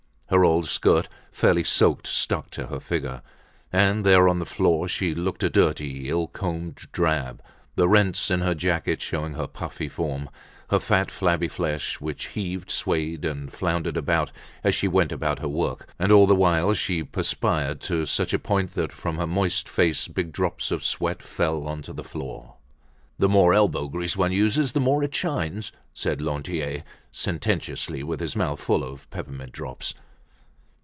Her old skirt, fairly soaked, stuck to her figure. And there on the floor she looked a dirty, ill combed drab, the rents in her jacket showing her puffy form, her fat, flabby flesh which heaved, swayed and floundered about as she went about her work; and all the while she perspired to such a point that from her moist face big drops of sweat fell on to the floor. "The more elbow grease one uses, the more it shines," said Lantier, sententiously, with his mouth full of peppermint drops.